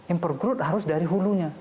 impor crude harus dari hulunya